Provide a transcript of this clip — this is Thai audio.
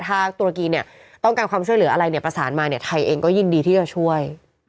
ถ้าตุรกีเนี่ยต้องการความช่วยเหลืออะไรเนี่ยประสานมาเนี่ยไทยเองก็ยินดีที่จะช่วย